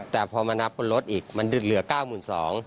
แต่พอมานับบนรถอีกมันเหลือ๙๒๐๐บาท